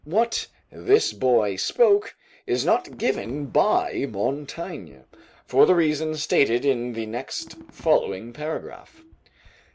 What "this boy spoke" is not given by Montaigne, for the reason stated in the next following paragraph.